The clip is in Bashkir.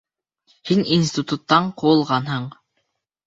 Һин институттан ҡыуылғанһың!